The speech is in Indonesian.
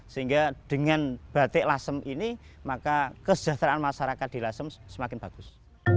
sehingga dengan batik lasem ini maka kesejahteraan masyarakat di lasem semakin bagus